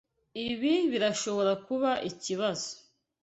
Ibi birashobora kuba ikibazo.